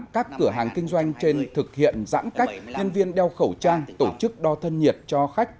các cửa hàng kinh doanh trên thực hiện giãn cách nhân viên đeo khẩu trang tổ chức đo thân nhiệt cho khách